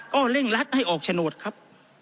ก็เร่งรัดให้ออกโฉนดครับ